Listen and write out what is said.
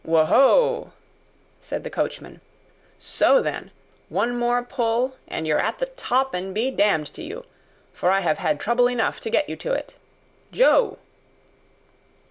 "Wo ho!" said the coachman. "So, then! One more pull and you're at the top and be damned to you, for I have had trouble enough to get you to it! Joe!"